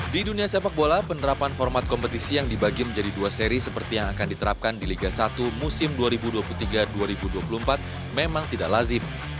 di dunia sepak bola penerapan format kompetisi yang dibagi menjadi dua seri seperti yang akan diterapkan di liga satu musim dua ribu dua puluh tiga dua ribu dua puluh empat memang tidak lazim